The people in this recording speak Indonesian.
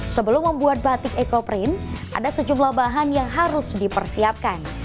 sebelum membuat batik ecoprint ada sejumlah bahan yang harus dipersiapkan